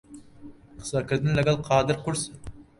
قسەکردن لەگەڵ قادر قورسە.